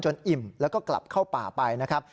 อิ่มแล้วก็กลับเข้าป่าไปนะครับ